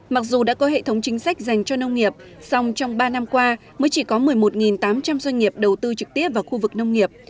mặc dù đã có hệ thống chính sách dành cho nông nghiệp song trong ba năm qua mới chỉ có một mươi một tám trăm linh doanh nghiệp đầu tư trực tiếp vào khu vực nông nghiệp